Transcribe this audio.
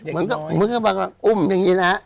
เหมือนกับมันอุ้มอย่างนี้นะ